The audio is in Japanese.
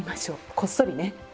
こっそりね。